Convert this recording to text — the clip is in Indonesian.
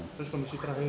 terus kondisi kerajaan